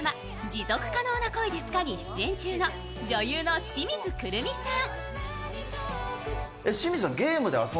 「持続可能な恋ですか？」に出演中の女優の清水くるみさん。